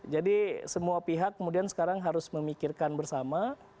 jadi semua pihak kemudian sekarang harus memikirkan bersama